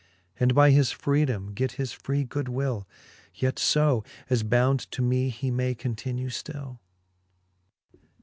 And by his freedome get his free goodwill ; Yet fbj as bound to me he may continue ftill.